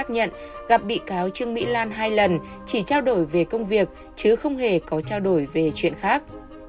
nhận gặp bị cáo trương mỹ lan hai lần chỉ trao đổi về công việc chứ không hề có trao đổi về chuyện khác